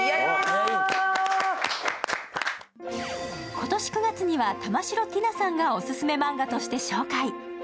今年９月には玉城ティナさんがオススメマンガとして紹介。